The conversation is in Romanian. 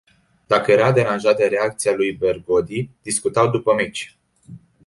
Dacă era deranjat de reacția lui Bergodi, discutau după meci.